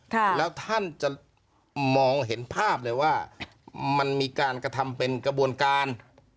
ค่ะแล้วท่านจะมองเห็นภาพเลยว่ามันมีการกระทำเป็นกระบวนการ